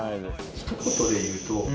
ひと言で言うと。